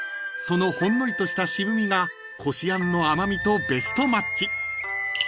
［そのほんのりとした渋味がこしあんの甘味とベストマッチ］